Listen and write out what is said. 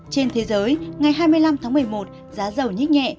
trên thế giới ngày hai mươi năm tháng một mươi một giá dầu nhích nhẹ